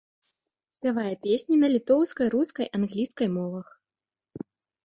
Спявае песні на літоўскай, рускай, англійскай мовах.